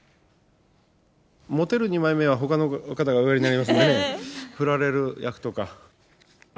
モテる二枚目はほかの方がおやりになりますんでね、フラれる役とか。